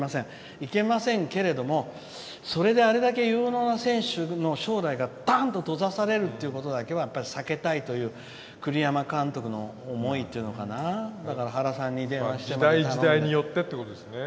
いけませんけれどもそれで、あれだけ有能な選手の将来がだんと閉ざされるってことだけは避けたいという栗山監督の思いというのかな。時代時代によってってことですよね。